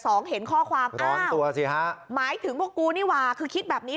สองเห็นข้อความอ้าวหมายถึงพวกกูนี่ว่าคือคิดแบบนี้